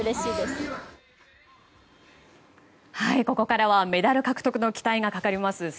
ここからはメダル獲得の期待がかかります